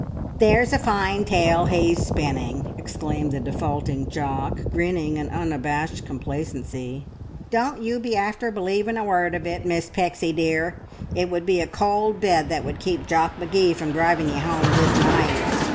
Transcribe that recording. "There's a fine tale he's spinning!" exclaimed the defaulting Jock, grinning in unabashed complacency. "Don't you be after believing a word of it, Miss Pixie dear. It would be a cold bed that would keep Jock Magee from driving ye home this night.